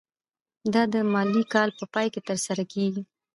دا د مالي کال په پای کې ترسره کیږي.